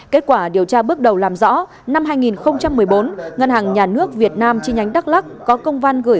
kết quả điều tra bước đầu làm rõ năm hai nghìn một mươi bốn ngân hàng nhà nước việt nam chi nhánh đắk lắc có công văn gửi